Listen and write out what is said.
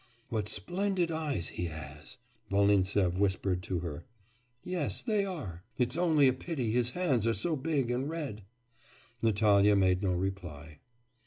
'What splendid eyes he has!' Volintsev whispered to her. 'Yes, they are.' 'It's only a pity his hands are so big and red.' Natalya made no reply.